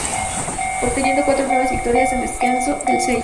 Obteniendo cuatro nuevas victorias en Descenso del Sella.